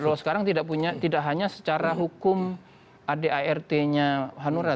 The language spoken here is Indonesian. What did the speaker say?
kalau sekarang tidak hanya secara hukum adart nya hanura